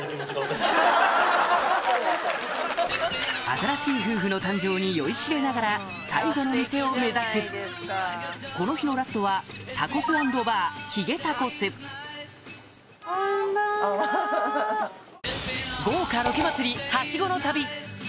新しい夫婦の誕生に酔いしれながら最後の店を目指すこの日のラストは豪華！